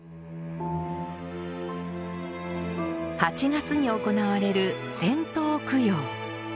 ８月に行われる「千灯供養」。